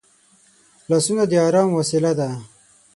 لاسونه د ارام وسیله ده